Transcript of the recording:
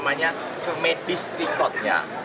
namanya medis recordnya